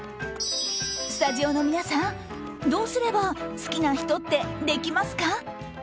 スタジオの皆さん、どうすれば好きな人ってできますか？